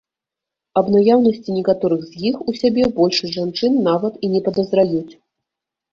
Аб наяўнасці некаторых з іх у сябе большасць жанчын нават і не падазраюць.